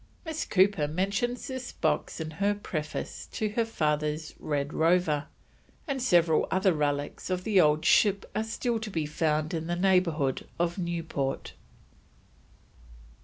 Miss Cooper mentions this box in her preface to her father's Red Rover, and several other relics of the old ship are still to be found in the neighbourhood of Newport.